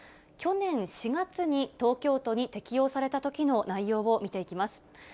去年４月に東京都に適用されたときの内容を見ていきます。